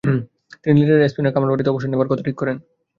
তিনি লিরিয়ার এস্পিনার খামারবাড়িতে অবসর নেবার কথা ঠিক করেন।